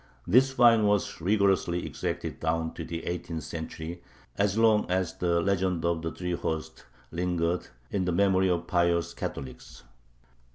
This fine was rigorously exacted down to the eighteenth century, as long as the legend of the three hosts lingered in the memory of pious Catholics.